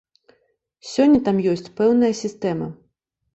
Сёння там ёсць пэўная сістэма.